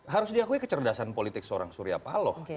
harus diakui kecerdasan politik seorang surya paloh